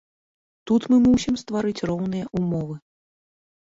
Тут мы мусім стварыць роўныя ўмовы.